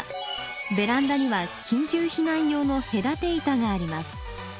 ベランダには緊急避難用の隔て板があります。